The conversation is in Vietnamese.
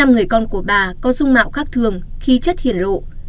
năm người con của bà có dung mạo khác thường khí chất hiển lộ